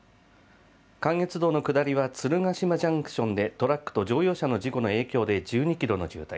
関越道の下りは鶴ヶ島ジャンクションでトラックと乗用車の事故の影響で１２キロの渋滞。